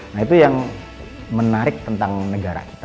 nah itu yang menarik tentang negara kita